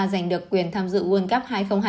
giành được quyền tham dự world cup hai nghìn hai mươi